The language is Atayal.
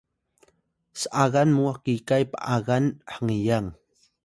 s’agan mu kikay p’agan hngeyang